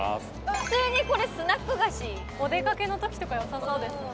普通にこれスナック菓子お出かけのときとかよさそうですね